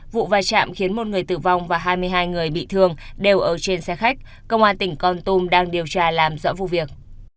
vụ vai chạm khiến một người tử vong và hai mươi hai người bị thương đều ở trên xe khách công an tỉnh con tum đang điều tra làm rõ vụ việc